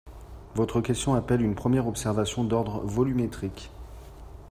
Votre question appelle une première observation d’ordre volumétrique.